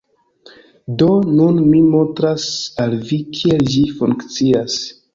Do, nun mi montras al vi kiel ĝi funkcias